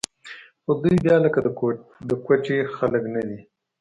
خو دوى بيا لکه د کوټې خلق نه دي.